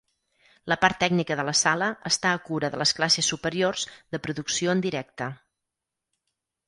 La part tècnica de la sala està a cura de les classes superiors de producció en directe.